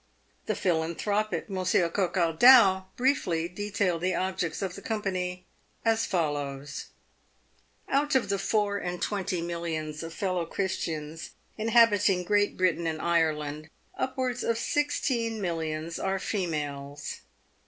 The philanthropic Monsieur Coquardau briefly detailed the objects of the company as follows :" Out of the four and twenty millions of fellow Christians inha biting Great Britain and Ireland, upwards of sixteen millions are females.